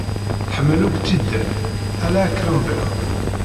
Tḥemmel akk tidal, ala akrembiḍ.